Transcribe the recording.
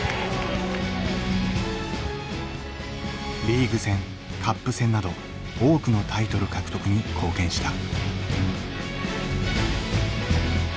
リーグ戦カップ戦など多くのタイトル獲得に貢献した。